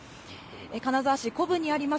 金沢市こぶんにあります